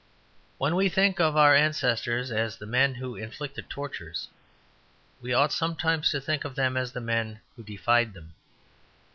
When we think of our ancestors as the men who inflicted tortures, we ought sometimes to think of them as the men who defied them.